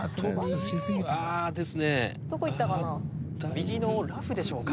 右のラフでしょうか。